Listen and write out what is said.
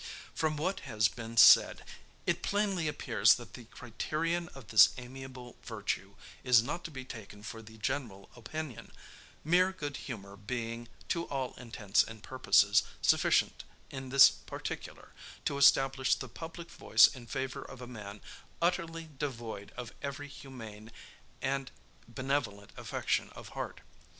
"From what has been said, it plainly appears, that the criterion of this amiable virtue is not to be taken for the general opinion; mere good humor being, to all intents and purposes, sufficient in this particular, to establish the public voice in favor of a man utterly devoid of every humane and benevolent affection of heart.